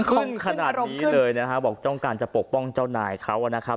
ข้องขนาดนี้เลยนะฮะบอกต้องการจะปกป้องเจ้านายเขานะครับ